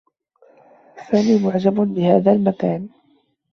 سامي مُعحب بهذا المكان.